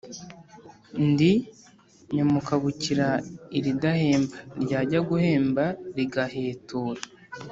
Ndi Nyamukabukira ilidahemba, lyajya guhemba ligahetura